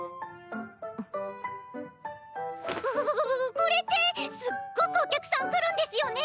こここここここれってすっごくお客さん来るんですよね